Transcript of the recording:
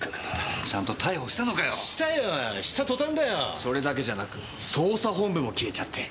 それだけじゃなく捜査本部も消えちゃって。